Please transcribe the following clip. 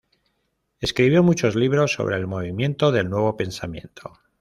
Escribió muchos libros sobre el movimiento del Nuevo Pensamiento.